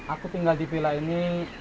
aku tinggal di vila ini